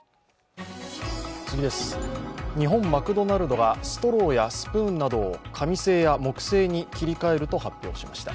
日本マクドナルドがストローやスプーンなどを紙製や木製に切り替えると発表しました。